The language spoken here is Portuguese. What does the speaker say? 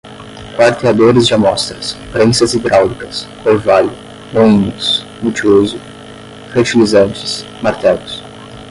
quarteadores de amostras, prensas hidráulicas, orvalho, moinhos multiuso, fertilizantes, martelos